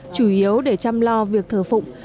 chủ yếu để chăm lo việc thờ phụng